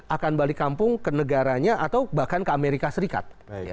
akan balik kampung ke negaranya atau bahkan ke amerika serikat